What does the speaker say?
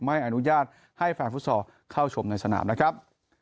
ไม่อนุญาตให้แฟนฟุตซอลเข้าชมในสนามนะครับ